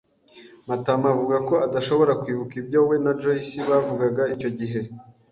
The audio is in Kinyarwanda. Matama avuga ko adashobora kwibuka ibyo we na Joyci bavugaga icyo gihe.